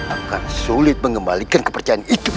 akan sulit mengembalikan kepercayaan itu